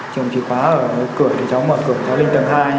chủ trực chìa khóa ở cửa thì cháu mở cửa cháu lên tầng hai